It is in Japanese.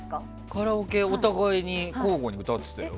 カラオケはお互いに交互に歌ってたよ。